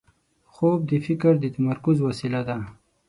خوب د فکر د تمرکز وسیله ده